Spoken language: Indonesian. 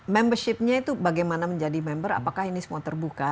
membershipnya itu bagaimana menjadi member apakah ini semua terbuka